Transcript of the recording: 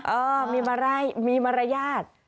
เออมีมรรยาติ